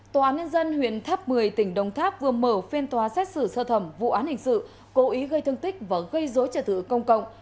tòa án nhân dân huyện tháp một mươi tỉnh đồng tháp vừa mở phiên tòa xét xử sơ thẩm vụ án hình sự cố ý gây thương tích và gây dối trả tự công cộng